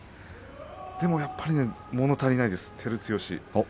でもやっぱりもの足りないですね照強。